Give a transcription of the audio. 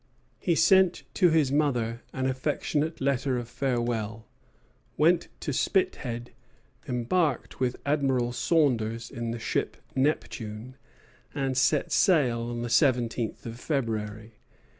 He sent to his mother an affectionate letter of farewell, went to Spithead, embarked with Admiral Saunders in the ship "Neptune," and set sail on the seventeenth of February.